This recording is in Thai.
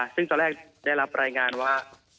ซึ่งตอนแรกได้รับรายงานว่า